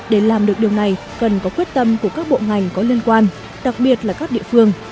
để làm được điều này cần có quyết tâm của các bộ ngành có liên quan đặc biệt là các địa phương